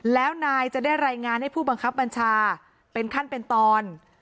แล้วนายจะได้รายงานให้ผู้บังคับบัญชาเป็นขั้นเป็นตอน